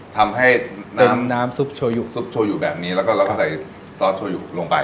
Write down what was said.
ทำให้น้ำซุปโชว์อยู่แบบนี้แล้วก็ใส่ซอสโชว์อยู่ลงไป